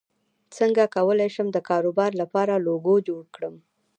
څنګه کولی شم د کاروبار لپاره لوګو جوړ کړم